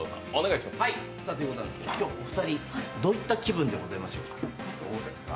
今日、お二人、どういった気分でございましょうか？